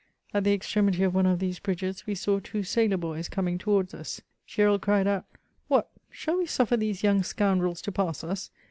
At the extremity of one of these bridges, we saw two sailor boys coming towardis us. Gresril cried out, "What, shall we suffer these young scoundrels to pass us?''